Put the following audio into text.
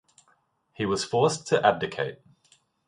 He was forced to abdicate.